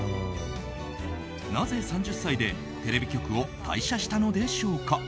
なぜ３０歳でテレビ局を退社したのでしょうか。